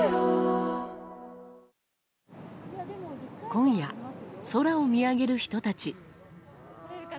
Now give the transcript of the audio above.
今夜、空を見上げる人たち。